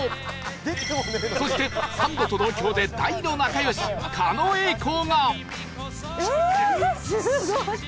そしてサンドと同郷で大の仲良し狩野英孝が